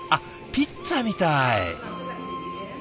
ピッツァみたい。